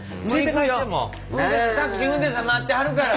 タクシーの運転手さん待ってはるから。